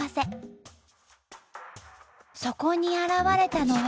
そこに現れたのは。